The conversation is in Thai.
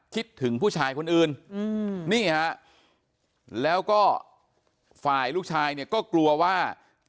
คิดถึงผู้ชายคนอื่นนี่ฮะแล้วก็ฝ่ายลูกชายเนี่ยก็กลัวว่า